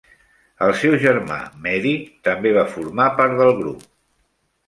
El seu germà, Mehdi, també va formar part del grup.